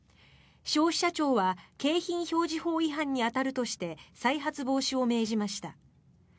消費者庁は景品表示法違反に当たるとして再発防止を命じました。